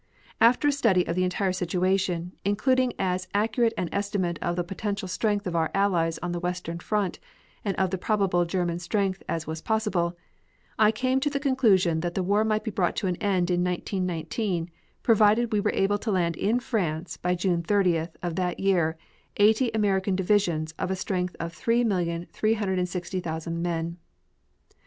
After a study of the entire situation, including as accurate an estimate of the potential strength of our allies on the western front and of the probable German strength as was possible, I came to the conclusion that the war might be brought to an end in 1919, provided we were able to land in France by June 30th of that year eighty American divisions of a strength of 3,360,000 men.